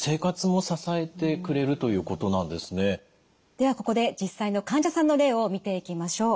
ではここで実際の患者さんの例を見ていきましょう。